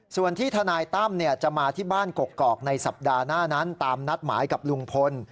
ส่วนที่ทนายตั้มจะมาที่บ้านกกอกในสัปดาห์หน้านั้นตามนัดหมายกับลุงพล